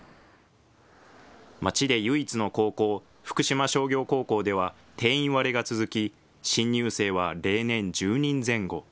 町で唯一の高校、福島商業高校では定員割れが続き、新入生は例年１０人前後。